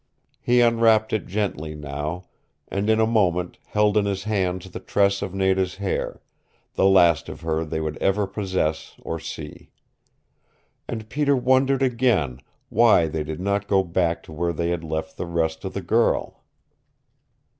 He unwrapped it gently now, and in a moment held in his hands the tress of Nada's hair, the last of her they would ever possess or see. And Peter wondered again why they did not go back to where they had left the rest of the girl.